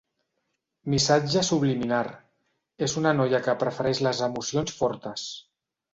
Missatge subliminar: és una noia que prefereix les emocions fortes.